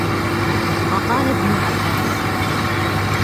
وَقَالَ ابْنُ عَبَّاسٍ